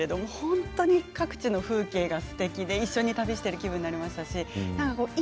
本当に各地の風景がすてきで一緒に旅をしている気分になりました。